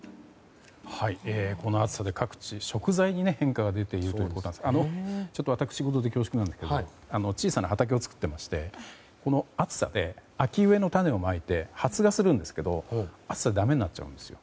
この暑さで各地食材に変化が出ているということなんですが私事で恐縮なんですが小さな畑を作っていまして暑さで秋植えの種をまいて発芽するんですが暑さでだめになっちゃうんですよ。